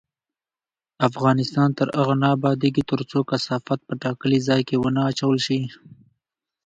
افغانستان تر هغو نه ابادیږي، ترڅو کثافات په ټاکلي ځای کې ونه اچول شي.